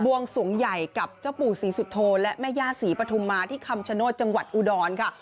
วงสวงใหญ่กับเจ้าปู่ศรีสุโธและแม่ย่าศรีปฐุมมาที่คำชโนธจังหวัดอุดรค่ะ